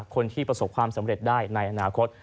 คนที่ประสบความสำเร็จได้ในอนาคต